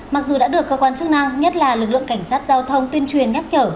mặc dù đã được cơ quan chức năng nhất là lực lượng cảnh sát giao thông tuyên truyền nhắc nhở